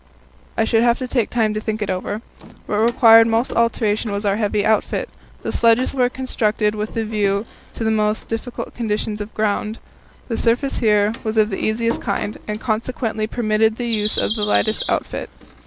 I should have to take time to think it over. What required most alteration was our heavy outfit. The sledges were constructed with a view to the most difficult conditions of ground. The surface here was of the easiest kind, and consequently permitted the use of the lightest outfit.